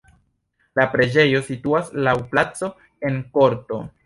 La preĝejo situas laŭ placo en korto.